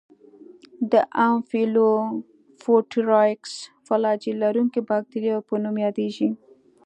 د امفیلوفوټرایکس فلاجیل لرونکو باکتریاوو په نوم یادیږي.